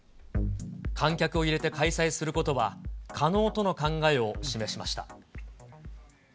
観客を入れて開催することは、可能との考えを示しました。